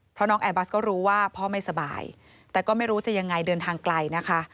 เพราะน้องแอร์บัสก็รู้ว่าพ่อไม่สบายแต่ก็ไม่รู้จะยังไงเดินทางไกลนะคะ